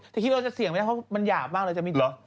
นะพี่เอาสีแสงไว้เพราะมันหยาบมากเลย